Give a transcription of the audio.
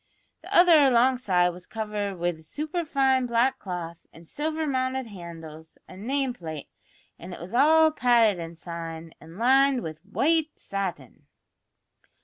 The other alongside was covered wid superfine black cloth an' silver mounted handles, an' name plate, an' it was all padded inside an' lined wid white satin!"